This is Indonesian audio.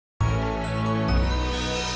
aku gak boleh jatuh cinta sama kakakku sendiri